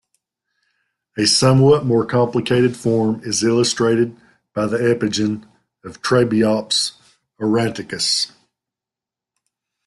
A somewhat more complicated form is illustrated by the epigyne of "Trabeops aurantiacus".